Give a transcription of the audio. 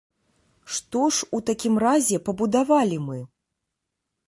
Што ж у такім разе пабудавалі мы?